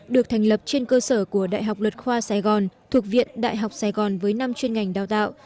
được thành lập trên cơ sở của đại học luật khoa sài gòn thuộc viện đại học sài gòn với năm chuyên ngành đào tạo